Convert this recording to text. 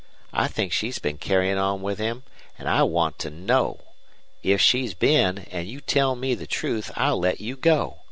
I think she's been carryin' on with him, an' I want to KNOW. If she's been an' you tell me the truth I'll let you go.